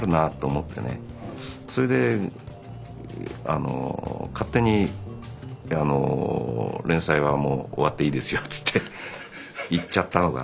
それで勝手にあの「連載はもう終わっていいですよ」つって言っちゃったのかな。